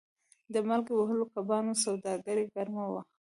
د مالګې وهلو کبانو سوداګري ګرمه وه.